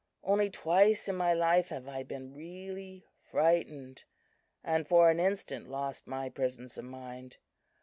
Only twice in my life have I been really frightened, and for an instant lost my presence of mind.